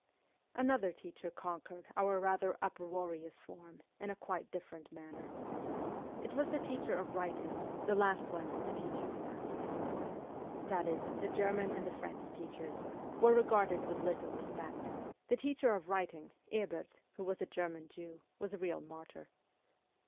Another teacher conquered our rather uproarious form in a quite different manner. It was the teacher of writing, the last one of the teaching staff. If the ' heathen ' that is, the German and the French teachers were regarded with little respect, the teacher of writing, Ebert, who was a German Jew, was a real martyr.